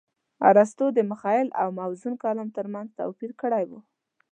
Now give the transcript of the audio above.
ارستو د مخيل او موزون کلام ترمنځ توپير کړى و.